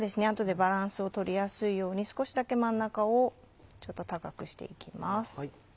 あとでバランスを取りやすいように少しだけ真ん中をちょっと高くして行きます。